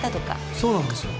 そうなんですよ